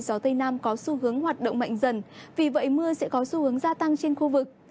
gió tây nam có xu hướng hoạt động mạnh dần vì vậy mưa sẽ có xu hướng gia tăng trên khu vực